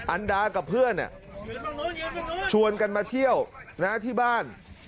อันดากับเพื่อนชวนกันมาเที่ยวที่บ้าน